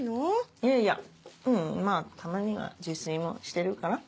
いやいやまぁたまには自炊もしてるかな。